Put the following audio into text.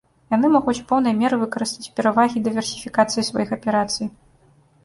Яны могуць у поўнай меры выкарыстаць перавагі дыверсіфікацыі сваіх аперацый.